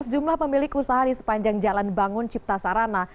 sejumlah pemilik usaha di sepanjang jalan bangun cipta sarana